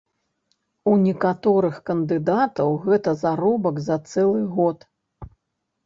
У некаторых кандыдатаў гэта заробак за цэлы год.